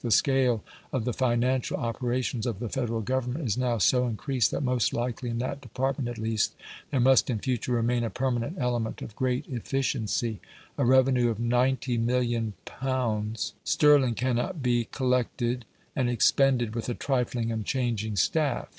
The scale of the financial operations of the Federal government is now so increased that most likely in that department, at least, there must in future remain a permanent element of great efficiency; a revenue of 90,000,000 pounds sterling cannot be collected and expended with a trifling and changing staff.